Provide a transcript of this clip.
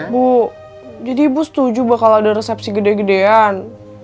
bu jadi ibu setuju bakal ada resepsi gede gedean